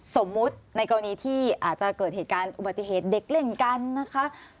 สมมุติในกรณีที่อาจจะเกิดเหตุการณ์อุบัติเหตุเด็กเล่นกันนะคะ